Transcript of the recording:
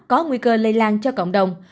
có nguy cơ lây lan cho cộng đồng